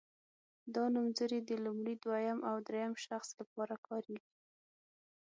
دا نومځري د لومړي دویم او دریم شخص لپاره کاریږي.